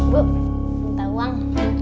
bu minta uang